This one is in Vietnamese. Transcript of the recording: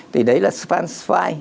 thì đấy là stefan zweig